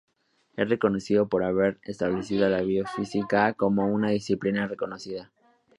Es reconocido por haber establecido la biofísica como una disciplina reconocida.